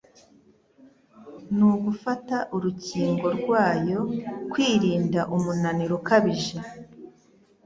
ni ugufata urukingo rwayo, Kwirinda umunaniro ukabije,